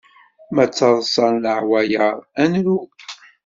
Ma ttaḍsan leɛwayeṛ, ad nru.